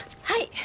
はい。